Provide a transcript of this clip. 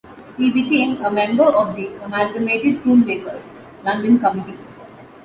He became a member of the Amalgamated Toolmakers' London committee.